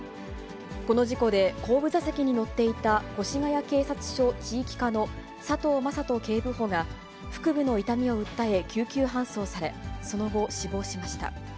この事故で、後部座席に乗っていた越谷警察署地域課の佐藤正人警部補が、腹部の痛みを訴え、救急搬送され、その後、死亡しました。